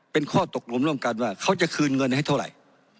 เป็นข้อตกลงร่วมกันว่าเขาจะคืนเงินให้เท่าไหร่